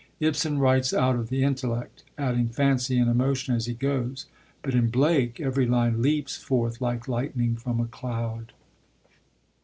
Ibsen writes out of the intellect, adding fancy and emotion as he goes; but in Blake every line leaps forth like lightning from a cloud.